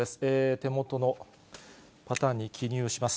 手元のパターンに記入します。